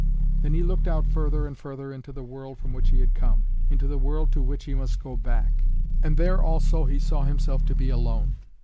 Then he looked out further and further into the world from which he had come, into the world to which he must go back, and there also he saw himself to be alone.